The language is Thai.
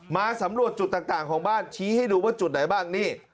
มาสำรวจจุดต่างของบ้านชี้ให้ดูว่าจุดไหนบ้างนี่